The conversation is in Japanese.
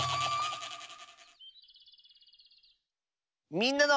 「みんなの」。